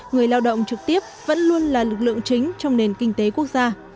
người lao động trực tiếp vẫn luôn là lực lượng chính trong nền kinh tế quốc gia